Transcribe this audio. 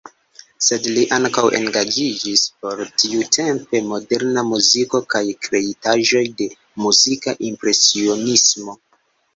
Sed li ankaŭ engaĝiĝis por tiutempe moderna muziko kaj kreitaĵoj de muzika impresionismo.